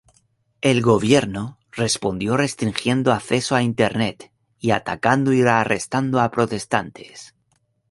El gobierno respondió restringiendo acceso a Internet y atacando y arrestando a protestantes.